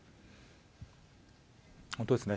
本当ですね。